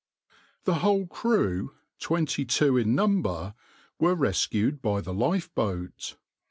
The whole crew, twenty two in number, were rescued by the lifeboat.